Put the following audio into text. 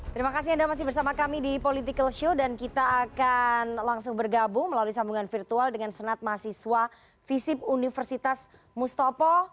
terima kasih anda masih bersama kami di political show dan kita akan langsung bergabung melalui sambungan virtual dengan senat mahasiswa visip universitas mustafa